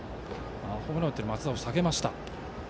ホームランを打っている松田を下げました。